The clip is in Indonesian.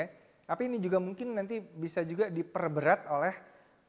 tapi ini juga mungkin nanti bisa juga diperberat oleh